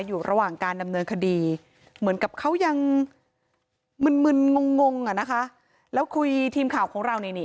อยู่ระหว่างการดำเนินคดีเหมือนกับเค้ายังมึน